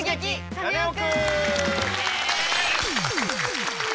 カネオくん」！